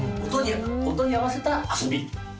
音に合わせた遊び。